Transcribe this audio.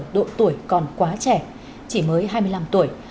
độ tuổi còn quá trẻ chỉ mới hai mươi năm tuổi